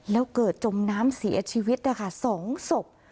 แล้วเกิดจมน้ำเสียชีวิตนะคะ๒ศพ